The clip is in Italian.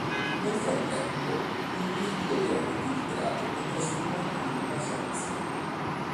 Nel frattempo, il liquido viene filtrato e trasformato in una salsa.